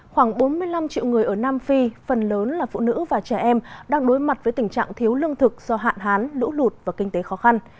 khoảng bốn mươi năm triệu người ở nam phi phần lớn là phụ nữ và trẻ em đang đối mặt với tình trạng thiếu lương thực do hạn hán lũ lụt và kinh tế khó khăn